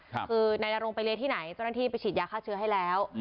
คือนายนรงไปเรียนที่ไหนเจ้าหน้าที่ไปฉีดยาฆ่าเชื้อให้แล้ว